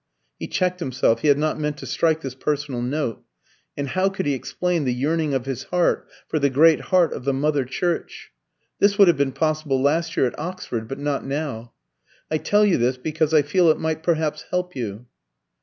He checked himself; he had not meant to strike this personal note. And how could he explain the yearning of his heart for the great heart of the Mother church? This would have been possible last year at Oxford, but not now. "I tell you this because I feel that it might perhaps help you."